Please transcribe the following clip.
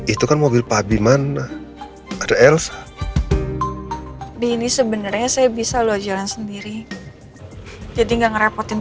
itu kan mobil padi mana ada elsa ini sebenarnya saya bisa lojalan sendiri jadi nggak ngerepotin